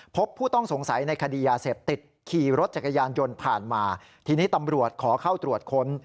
พบผู้ต้องสงสัยในคดียาเสพติดขี่รถจักรยานยนต์ผ่านมาทีนี้ตำรวจขอเข้าตรวจค้น